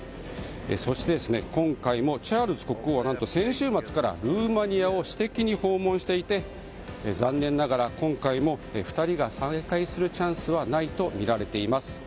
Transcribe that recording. そして、今回もチャールズ国王は何と先週末からルーマニアを私的に訪問していて残念ながら今回も２人が再会するチャンスはないとみられています。